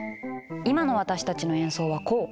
今の私たちの演奏はこう。